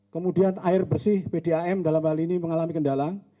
kemudian air bersih pdam dalam hal ini mengalami kendala